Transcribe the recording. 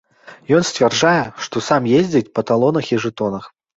Ён сцвярджае, што сам ездзіць па талонах і жэтонах.